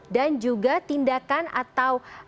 dan juga tindakan atau